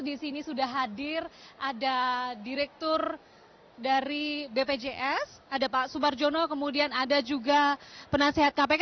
di sini sudah hadir ada direktur dari bpjs ada pak sumarjono kemudian ada juga penasehat kpk